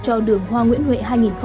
cho đường hoa nguyễn huệ hai nghìn hai mươi